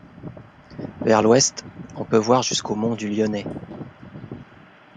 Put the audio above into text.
Vers l'ouest, on peut voir jusqu'aux Monts du Lyonnais.